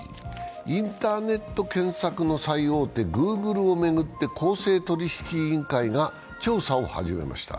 インターネット検索の最大手、Ｇｏｏｇｌｅを巡って公正取引委員会が調査を始めました。